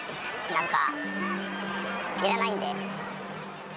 なんかいらないんで。